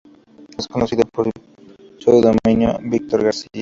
Es conocido por su pseudónimo "Víctor García".